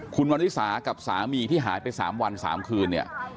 คุณมันวิสากับสามีที่หาไปสามวันสามคืนเนี่ย